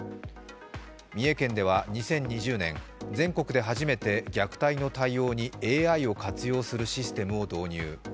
三重県では２０２０年、全国で初めて虐待の対応にＡＩを活用するシステムを導入。